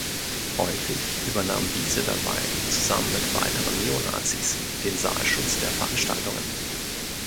Häufig übernahm Wiese dabei zusammen mit weiteren Neonazis den Saalschutz der Veranstaltungen.